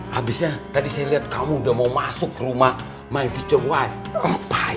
habisnya tadi saya lihat kamu udah mau masuk ke rumah my future wife ngapain